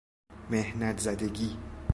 محنت زدگی